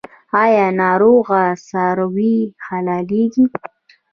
آیا ناروغه څاروي حلاليږي؟